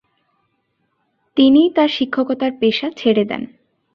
তিনি তার শিক্ষকতার পেশা ছেড়ে দেন।